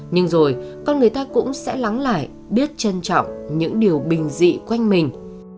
nhưng rồi con người ta cũng sẽ lắng lại biết trân trọng những điều bình dị quanh mình